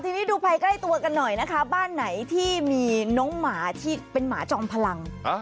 ทีนี้ดูภายใกล้ตัวกันหน่อยนะคะบ้านไหนที่มีน้องหมาที่เป็นหมาจอมพลัง